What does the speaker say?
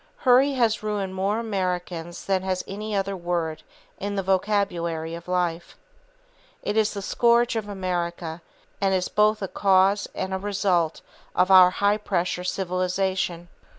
Hurry has ruined more Americans than has any other word in the vocabulary of life. It is the scourge of America; and is both a cause and a result of our high pressure civilization.